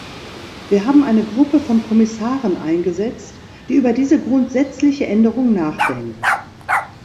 Wir haben eine Gruppe von Kommissaren eingesetzt, die über diese grundsätzliche Änderung nachdenkt.